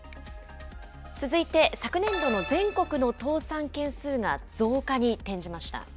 続いて、昨年度の全国の倒産件数が増加に転じました。